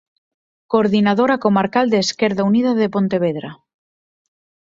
Coordinadora comarcal de Esquerda Unida de Pontevedra.